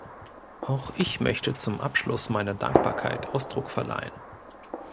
Auch ich möchte zum Abschluss meiner Dankbarkeit Ausdruck verleihen.